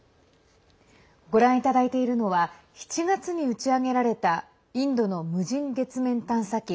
ご覧いただいているのは７月に打ち上げられたインドの無人月面探査機